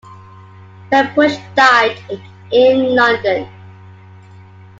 Pepusch died in London.